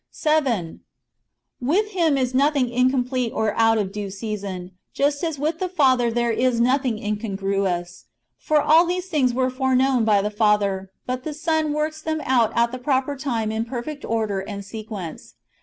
7. With Him is nothing incomplete or out of due season, just as with the Father there is nothing incongruous. For all these things were foreknown by the Father ; but the Son works them out at the proper time in perfect order and sequence.